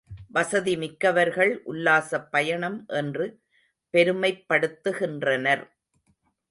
வசதி மிக்கவர்கள் உல்லாசப் பயணம் என்று பெருமைப்படுத்துகின்றனர்.